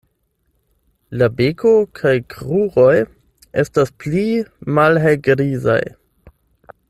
La beko kaj kruroj estas pli malhelgrizaj.